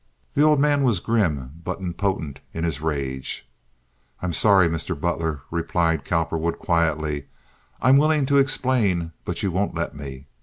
The old man was grim but impotent in his rage. "I'm sorry, Mr. Butler," replied Cowperwood, quietly. "I'm willing to explain, but you won't let me.